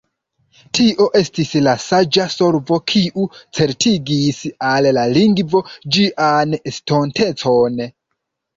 Tio estis la saĝa solvo, kiu certigis al la lingvo ĝian estontecon.